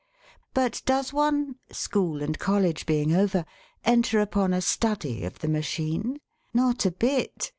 But does one, school and college being over, enter upon a study of the machine? Not a bit.